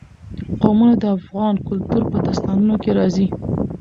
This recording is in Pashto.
قومونه د افغان کلتور په داستانونو کې راځي.